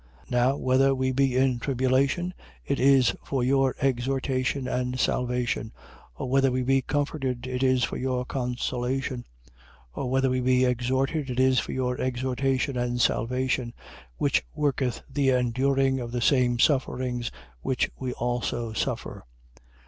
1:6. Now whether we be in tribulation, it is for your exhortation and salvation: or whether we be comforted, it is for your consolation: or whether we be exhorted, it is for your exhortation and salvation, which worketh the enduring of the same sufferings which we also suffer.